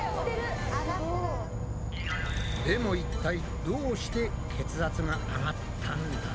でも一体どうして血圧が上がったんだ？